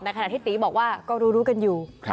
ขณะที่ตีบอกว่าก็รู้กันอยู่